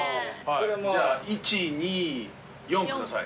じゃあ１２４下さい。